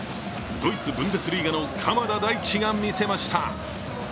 ドイツ・ブンデスリーガの鎌田大地が見せました。